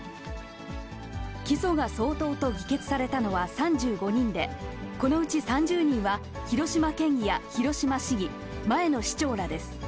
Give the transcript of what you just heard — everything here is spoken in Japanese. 起訴が相当と議決されたのは３５人で、このうち３０人は広島県議や広島市議、前の市長らです。